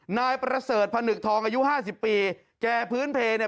นายประเสริฐพนึกทองอายุห้าสิบปีแก่พื้นเพลเนี่ย